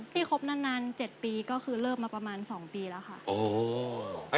ที่กัดนาน๗ปีก็คือเริ่มมาประมาณ๒ปีแล้วค่ะ